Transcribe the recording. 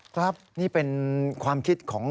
ครับนี่เป็นความคิดของ